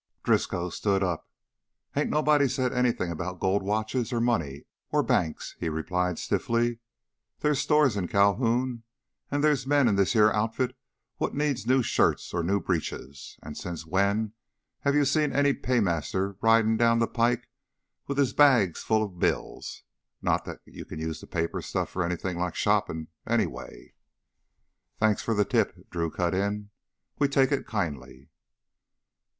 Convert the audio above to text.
Driscoll stood up. "Ain't nobody said anything about gold watches or money or banks," he replied stiffly. "There's stores in Calhoun, and there's men in this heah outfit what needs new shirts or new breeches. And since when have you seen any paymaster ridin' down the pike with his bags full of bills, not that you can use that paper stuff for anythin' like shoppin', anyway!" "Thanks for the tip," Drew cut in. "We take it kindly."